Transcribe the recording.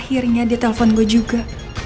akhirnya dia telpon gue juga